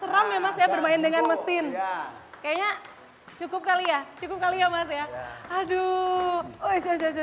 berbual memang saya bermain dengan mesin kayaknya cukup kali ya cukup kali ya mas ya aduh oi sejajar